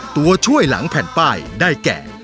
ตัวช่วยหลังแผ่นป้ายได้แก่